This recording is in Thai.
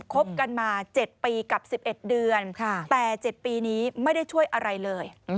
คบกันมา๗ปีกับ๑๑เดือนแต่๗ปีนี้ไม่ได้ช่วยอะไรเลย